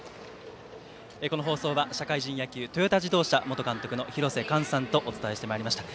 この放送は社会人野球トヨタ自動車元監督の廣瀬寛さんとお伝えしてまいりました。